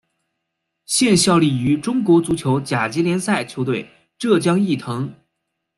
现效力于中国足球甲级联赛球队浙江毅腾。